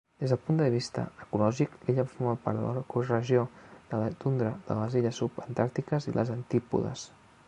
Des del punt de vista ecològic, l'illa forma part de l'ecoregió de la tundra de les illes Subantàrtiques i les Antípodes.